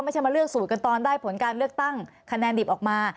ไม่ใช่มาเลือกสูตรกันตอนได้ผลการเลือกตั้งคะแนนดิบออกมา